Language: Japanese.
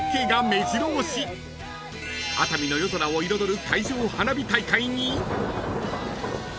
［熱海の夜空を彩る］